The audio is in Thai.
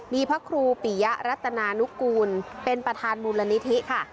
มีพระครูปิยะรัตนานุกูลเป็นประธานมูลนิธิค่ะ